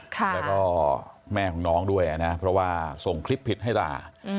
แล้วก็แม่ของน้องด้วยนะเพราะว่าส่งคลิปผิดให้ตา